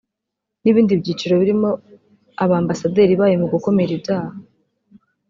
n’ibindi byiciro birimo Abambasaderi bayo mu gukumira ibyaha